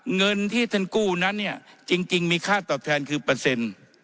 เงินที่ท่านกู้นั้นเนี่ยจริงมีค่าตอบแทนคือเปอร์เซ็นต์